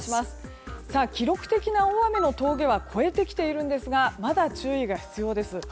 記録的な大雨の峠は越えてきているんですがまだ注意が必要です。